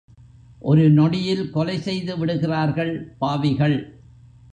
ஒரு நொடியில் கொலை செய்து விடுகிறார்கள் பாவிகள்.